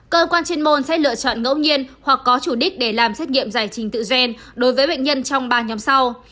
cơ quan chuyên môn sẽ lựa chọn ngẫu nhiên hoặc có chủ đích để làm xét nghiệm giải trình tự gen đối với bệnh nhân trong ba nhóm sau